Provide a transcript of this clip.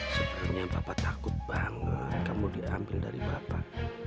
sebenarnya bapak takut banget kamu diambil dari bapak